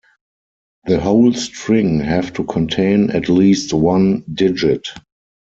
The whole string have to contain at least one digit.